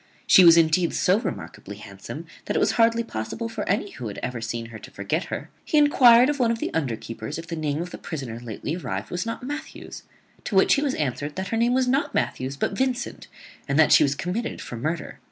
She was indeed so remarkably handsome, that it was hardly possible for any who had ever seen her to forget her. He enquired of one of the underkeepers if the name of the prisoner lately arrived was not Matthews; to which he was answered that her name was not Matthews but Vincent, and that she was committed for murder.